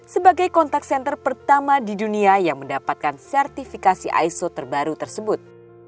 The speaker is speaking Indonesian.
sebagai kontak senter pertama di dunia yang mendapatkan sertifikasi iso terbaru tersebut